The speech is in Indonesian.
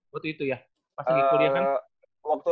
waktu itu ya pas lagi kuliah kan